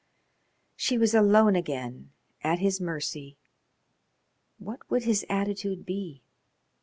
She was alone again at his mercy. What would his attitude be?